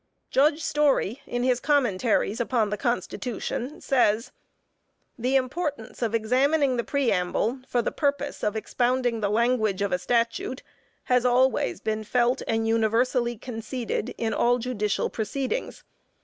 Judge Story in his commentaries upon the Constitution, says, "The importance of examining the Preamble for the purpose of expounding the language of a Statute has always been felt and universally conceded in all judicial proceedings."